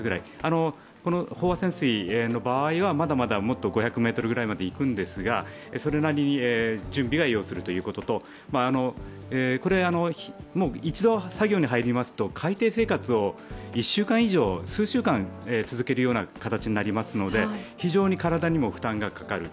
この飽和潜水の場合は、まだまだ５００ｍぐらいまではいくんですが、それなりに準備を要するということと一度作業に入りますと海底生活を１週間以上、数週間続ける形になりますので非常に体にも負担がかかる。